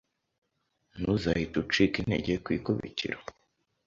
ntuzahite ucika intege ku ikubitiro